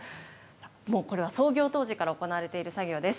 これは創業当時から行われている作業です。